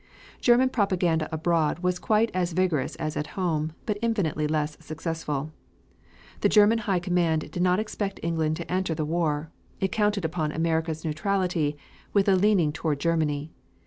German propaganda abroad was quite as vigorous as at home, but infinitely less successful. The German High Command did not expect England to enter the war. It counted upon America's neutrality with a leaning toward Germany.